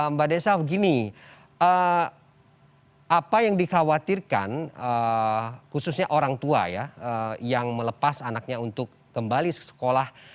mbak desaf begini apa yang dikhawatirkan khususnya orang tua ya yang melepas anaknya untuk kembali ke sekolah